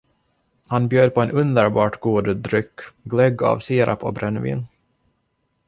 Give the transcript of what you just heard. Han bjöd på en underbart god dryck, glögg av sirap och brännvin.